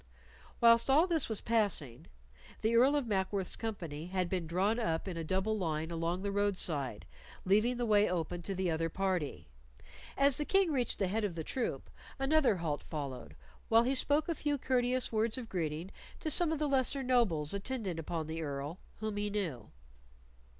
Whilst all this was passing, the Earl of Mackworth's company had been drawn up in a double line along the road side, leaving the way open to the other party. As the King reached the head of the troop, another halt followed while he spoke a few courteous words of greeting to some of the lesser nobles attendant upon the Earl whom he knew.